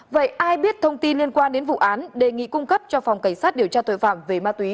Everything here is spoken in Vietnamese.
vậy ai biết thông tin liên quan đến vụ án đề nghị cung cấp cho phòng cảnh sát điều tra tội phạm về ma túy